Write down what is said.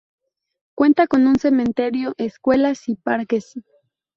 Cuenta con un Cementerio, escuelas y parques.